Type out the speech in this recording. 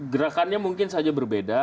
gerakannya mungkin saja berbeda